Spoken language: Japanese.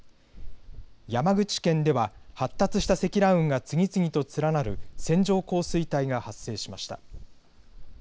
山口県では発達した積乱雲が次々と連なる線状降水帯が発生しました。